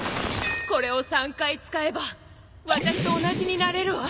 これを３回使えば私と同じになれるわ。